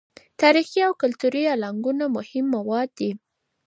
تاریخي او کلتوري الانګونه مهمې مواد دي.